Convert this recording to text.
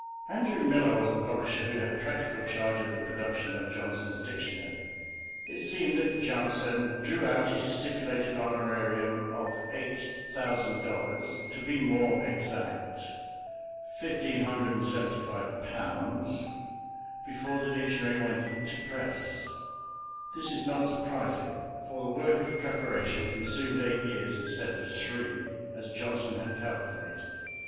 Andrew Millar was the publisher who had practical charge of the production of Johnson's dictionary. It seems that Johnson drew out his stipulated honorarium of eight thousand dollars (to be more exact, L1575) before the dictionary went to press; this is not surprising, for the work of preparation consumed eight years, instead of three, as Johnson had calculated.